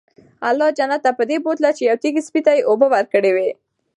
الله جنت ته پدې بوتله چې يو تږي سپي ته ئي اوبه ورکړي وي